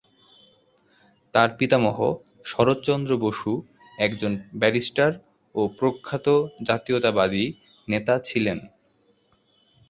তার পিতামহ শরৎ চন্দ্র বসু একজন ব্যারিস্টার ও প্রখ্যাত জাতীয়তাবাদী নেতা ছিলেন।